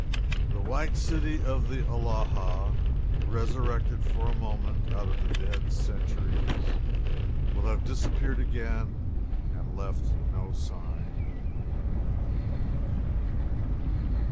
The white city of the Mellahah, resurrected for a moment out of the dead centuries, will have disappeared again and left no sign.